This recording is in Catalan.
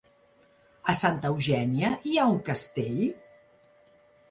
A Santa Eugènia hi ha un castell?